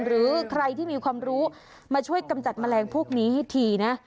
หรือใครที่มีความรู้มาช่วยกำจัดแมลงพวกนี้ให้ทีนะ